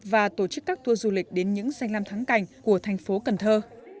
và tổ chức các tour du lịch đến những danh lam thắng cảnh của thành phố cần thơ